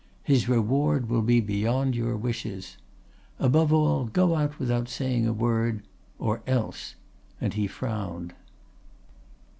His reward will be beyond your wishes. Above all, go out without saying a word—or else!' and he frowned.